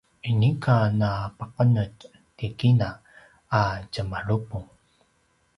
inika napaqenetj ti kina a tjemalupung